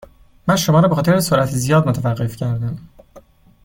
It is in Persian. من شما را به خاطر سرعت زیاد متوقف کردم.